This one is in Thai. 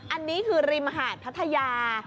อันนี้คือริมหาดพัทยา